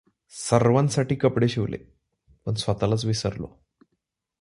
सर्वासाठी कपडे शिवले, पण स्वतःलाच विसरलो.